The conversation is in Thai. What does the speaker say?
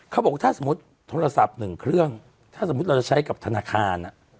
เขาบอกว่าถ้าสมมุติโทรศัพท์หนึ่งเครื่องถ้าสมมุติเราจะใช้กับธนาคาร